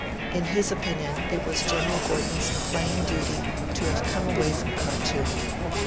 In his opinion it was General Gordon's plain duty to have come away from Khartoum.